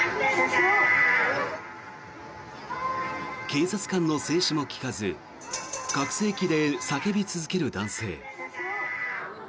警察官の制止も聞かず拡声器で叫び続ける男性。